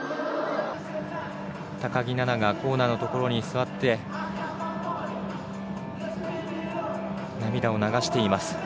高木菜那がコーナーのところに座って、涙を流しています。